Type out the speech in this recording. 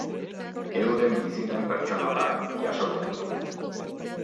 Euren bizipen pertsonalak jasoko ditugu.